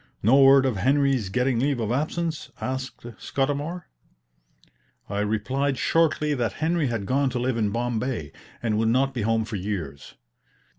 "No word of Henry's getting leave of absence?" asked Scudamour. I replied shortly that Henry had gone to live in Bombay, and would not be home for years.